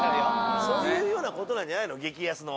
そういうような事なんじゃないの激安の。